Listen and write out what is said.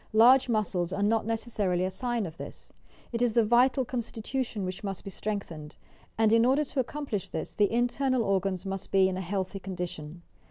Large muscles are not necessarily a sign of this. It is the vital constitution which must be strengthened, and, in order to accomplish this, the internal organs must be in a healthy condition.